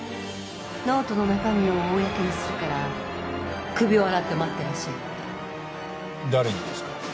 ノートの中身を公にするから首を洗って待ってらっしゃいって。